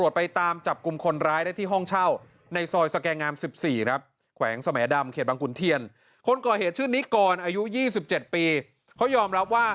วันถัดมา๓๑ตุลาคมคุณผู้ชม